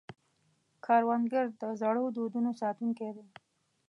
کروندګر د زړو دودونو ساتونکی دی